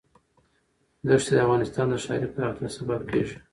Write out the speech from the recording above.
ښتې د افغانستان د ښاري پراختیا سبب کېږي.